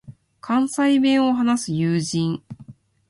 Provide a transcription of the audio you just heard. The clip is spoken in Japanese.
関西弁を話す友人